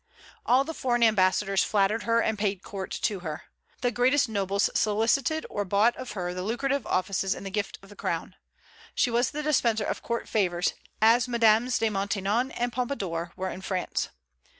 All the foreign ambassadors flattered her and paid court to her. The greatest nobles solicited or bought of her the lucrative offices in the gift of the Crown. She was the dispenser of court favors, as Mesdames de Maintenon and Pompadour were in France.